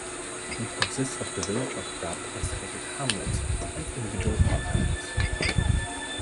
It consists of the village of Grub and scattered hamlets and individual farm houses.